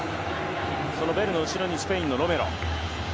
ベルの後ろにスペインのロメロ。